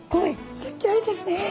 すギョいですね。